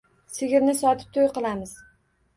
Sigirni sotib to‘y qilamiz.